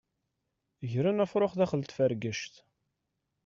Gren afrux daxel tfergact.